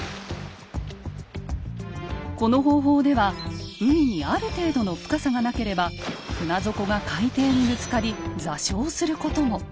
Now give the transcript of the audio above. この方法では海にある程度の深さがなければ船底が海底にぶつかり座礁することも。